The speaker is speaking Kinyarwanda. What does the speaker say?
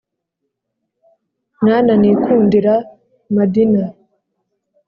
mwana nikundira madina